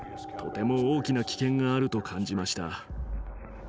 とても大きな危険があると感じました。